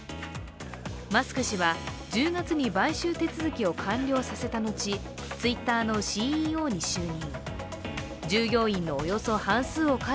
マスク氏は１０月に買収手続きを完了させた後、ＴｗｉｔｔｅｒのＣＥＯに就任。